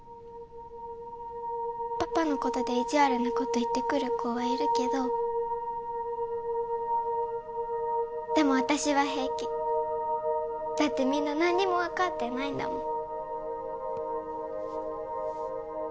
パパのことで意地悪なこと言ってくる子はいるけどでも私は平気だってみんな何にも分かってないんだもん